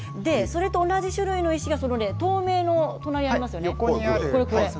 同じ種類の石が透明のものがありますよね。